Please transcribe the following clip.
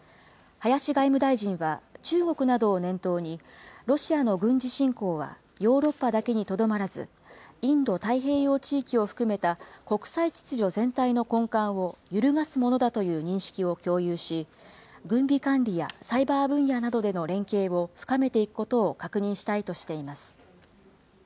林外務大臣は、中国などを念頭に、ロシアの軍事侵攻は、ヨーロッパだけにとどまらず、インド太平洋地域を含めた国際秩序全体の根幹を揺るがすものだという認識を共有し、軍備管理やサイバー分野などでの連携を深めていくことを確認したいとしています。